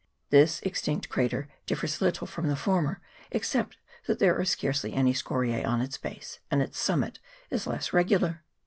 This extinct crater differs little from the former, except that there are scarcely any scoriae on its base, and its summit is less regular.